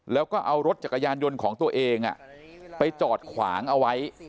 แล้วก็เอารถจักรยานยนต์ของตัวเองไปจอดขวางเอาไว้